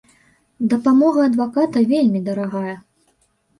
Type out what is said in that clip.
Дапамога адваката вельмі дарагая.